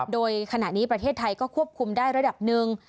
โดยขณะนี้ประเทศไทยก็ควบคุมได้ระดับหนึ่ง